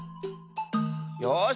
よし。